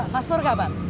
mas pur kapan